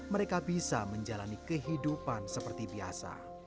mereka bisa menjalani kehidupan seperti biasa